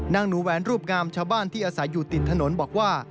หนูแหวนรูปงามชาวบ้านที่อาศัยอยู่ติดถนนบอกว่า